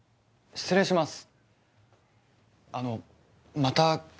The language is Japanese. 失礼します。